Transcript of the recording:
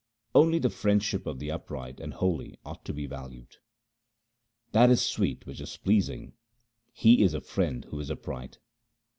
Only the friendship of the upright and holy ought to be valued :— That is sweet which is pleasing ; he is a friend who is upright.